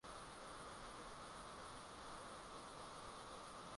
wanatengeneza nguo za aina mbalimbali